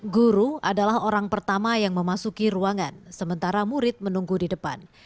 guru adalah orang pertama yang memasuki ruangan sementara murid menunggu di depan